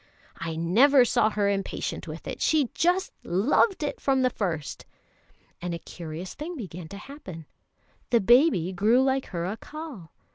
I never saw her impatient with it; she just loved it from the first." And a curious thing began to happen: the baby grew like her Accal.